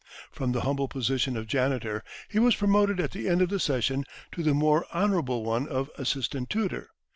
From the humble position of janitor he was promoted at the end of the session to the more honourable one of assistant tutor.